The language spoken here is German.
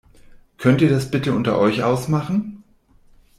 Könnt ihr das bitte unter euch ausmachen?